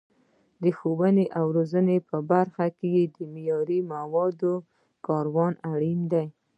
د ښوونې او روزنې په برخه کې د معیاري موادو کارول اړین دي.